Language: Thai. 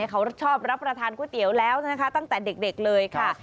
เขาชอบรับประทานก๋วยเตี๋ยวแล้วนะคะตั้งแต่เด็กเลยค่ะ